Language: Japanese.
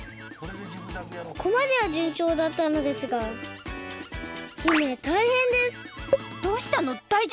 ここまではじゅんちょうだったのですが姫どうしたの？